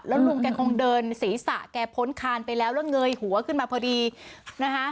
แล้วลุงแกคงเดินศีรษะแกพ้นคานไปแล้วแล้วเงยหัวขึ้นมาพอดีนะคะ